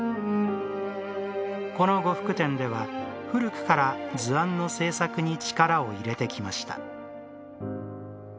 この呉服店では、古くから図案の製作に力を入れてきました。